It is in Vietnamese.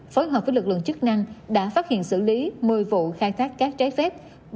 phối hợp với lực lượng chức năng đã phát hiện xử lý một mươi vụ khai thác cát trái phép